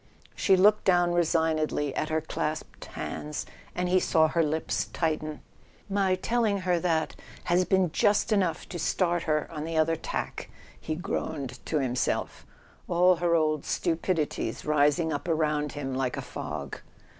She looked down resignedly at her clasped hands, and he saw her lips tighten. "My telling her that has been just enough to start her on the other tack," he groaned to himself, all her old stupidities rising up around him like a fog.